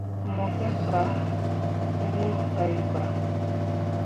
Mo gi gah wuu hai bah.